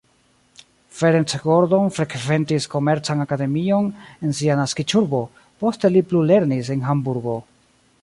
Ferenc Gordon frekventis komercan akademion en sia naskiĝurbo, poste li plulernis en Hamburgo.